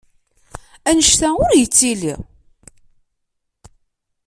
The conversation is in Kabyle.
Annect-a ur yettili!